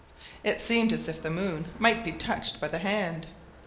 It seemed as if the moon might be touched by the hand!